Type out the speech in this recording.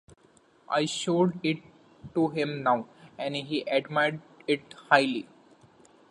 I showed it to him now, and he admired it highly.